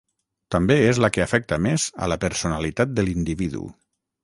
També és la que afecta més a la personalitat de l'individu.